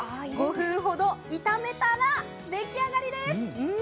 ５分ほど炒めたら出来上がりです！